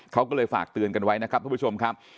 เขาก็เลยฝากเตือนกันไว้นะครับทุกผู้ชมครับ